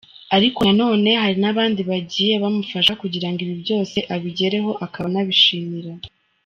Ariko nanone hari n’abandi bagiye bamufasha kugira ngo ibi byose abigereho ; akaba anabashimira.